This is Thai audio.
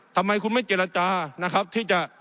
ทำไมคุณไม่เจรจานะครับที่จะ